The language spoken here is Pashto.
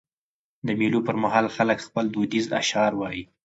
د مېلو پر مهال خلک خپل دودیز اشعار وايي.